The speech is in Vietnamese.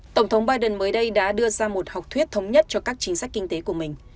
tổng thống biden mới đây đã đưa ra một học thuyết thống nhất cho các chính sách kinh tế của mình